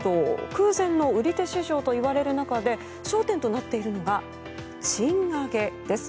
空前の売り手市場といわれる中で焦点となっているのが賃上げです。